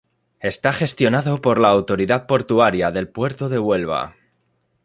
Está gestionado por la autoridad portuaria del puerto de Huelva.